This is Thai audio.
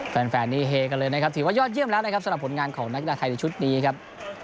แฟนนี้เฮกันเลยนะครับถือว่ายอดเยี่ยมแล้วนะครับสำหรับผลงานของนักกีฬาไทยในชุดนี้ครับ